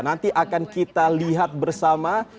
nanti akan kita lihat bersama